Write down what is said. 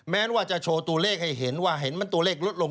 แม้ว่าจะโชว์ตัวเลขให้เห็นว่าเห็นมันตัวเลขลดลง